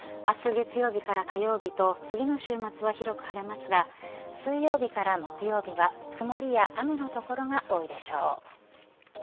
月曜日から火曜日と次の週末は広く晴れますが水曜日から木曜日は曇りや雨の所が多いでしょう。